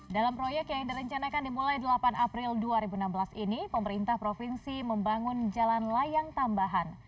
dalam proyek yang direncanakan dimulai delapan april dua ribu enam belas ini pemerintah provinsi membangun jalan layang tambahan